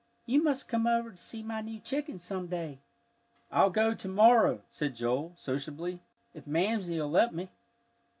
"You must come over to see my new chickens some day." "I'll go to morrow," said Joel, sociably, "if Mamsie'll let me."